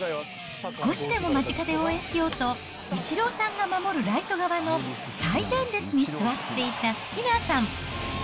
少しでも間近で応援しようと、イチローさんが守るライト側の最前列に座っていたスキナーさん。